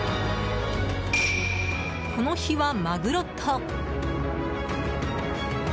この日はマグロと。